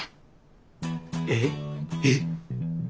えっ？えっ？